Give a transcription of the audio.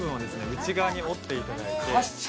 内側に折っていただいて賢っ！